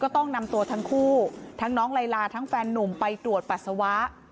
ต้องนำตัวทั้งคู่ทั้งน้องลายลาทั้งแฟนนุ่มไปตรวจปัสสาวะ